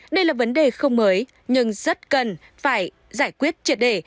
đây là vấn đề không mới nhưng rất cần phải giải quyết triệt đề